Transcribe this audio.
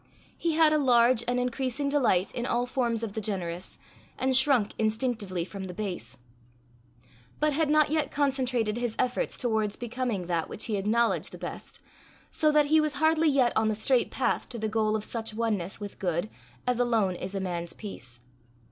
He had a large and increasing delight in all forms of the generous, and shrunk instinctively from the base, but had not yet concentrated his efforts towards becoming that which he acknowledged the best, so that he was hardly yet on the straight path to the goal of such oneness with good as alone is a man's peace.